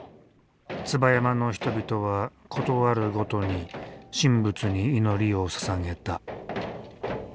椿山の人々はことあるごとに神仏に祈りをささげた。